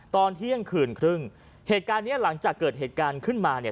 ตอนเที่ยงคืนครึ่งเหตุการณ์เนี้ยหลังจากเกิดเหตุการณ์ขึ้นมาเนี่ย